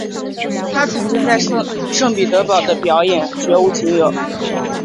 她曾经在圣彼得堡的表演绝无仅有。